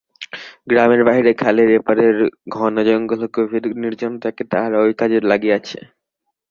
গ্রামের বাহিরে খালের এপারের ঘন জঙ্গল ও গভীর নির্জনতাকে তাহারা ওই কাজে লাগাইয়াছে।